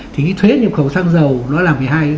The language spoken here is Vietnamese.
thì cái thuế nhập khẩu xăng dầu nó là một mươi hai